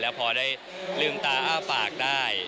พอได้ลืมตาอ้าปากได้